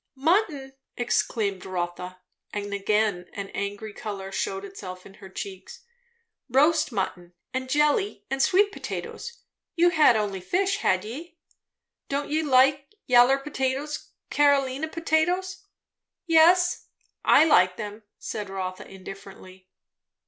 "Mutton!" exclaimed Rotha, and again an angry colour shewed itself in her cheeks. "Roast mutton and jelly and sweet potatoes. You hadn't only fish, had ye? Don't ye like yaller potatoes? Car'lina potatoes?" "Yes, I like them," said Rotha indifferently.